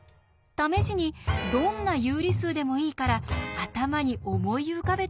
試しにどんな有理数でもいいから頭に思い浮かべて下さい。